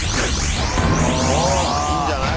おっいいんじゃない？